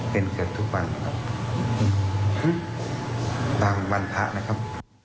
เป็นเกือบทุกวันนะครับตามวันพระนะครับ